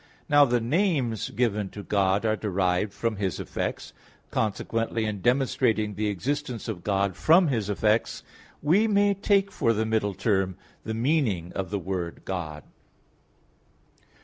Now the names given to God are derived from His effects; consequently, in demonstrating the existence of God from His effects, we may take for the middle term the meaning of the word "God".